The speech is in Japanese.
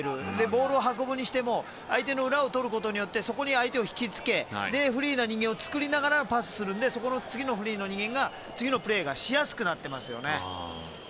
ボールを運ぶにしても相手の裏をとることによってそこに相手を引きつけフリーの人間を作りながらパスするので次のフリーな人間が次のプレーがしやすくなってますよね。